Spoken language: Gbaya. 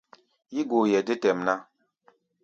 Yí-goeʼɛ dé tɛʼm ná.